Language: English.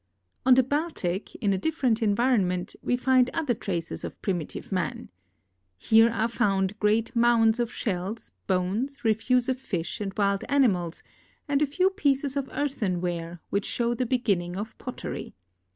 On the Baltic, in a different environment, we find other traces of primitive man. Here are found great mounds of shells, bones, refuse of fish and wild animals, and a few pieces of earthenware, which show the beginning of pottery.